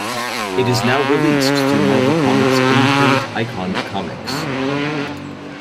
It is now released through Marvel Comics' imprint Icon Comics.